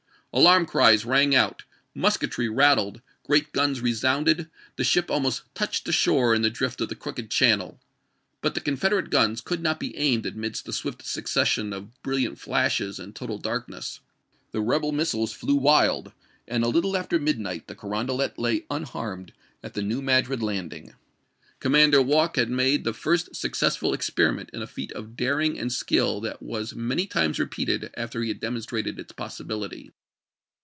Alarm cries rang out, musketry rattled, gi'eat guns resounded ; the ship almost touched the shore in the drift of the crooked channel. But the Confederate guns could not be aimed amidst the swift succession of brilliant flashes and total dark ness. The rebel missiles flew wild, and a little after midnight the Carondelet lay unharmed at the New Madrid landing. Commander Walke had made the first successful experiment in a feat of daring and skill that was many times repeated after he had demonstrated its possibility.